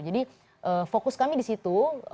fokus kami di situ